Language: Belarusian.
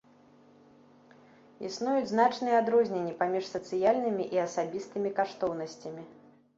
Існуюць значныя адрозненні паміж сацыяльнымі і асабістымі каштоўнасцямі.